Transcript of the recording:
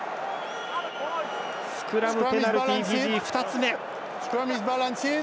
スクラムペナルティフィジー、２つ目。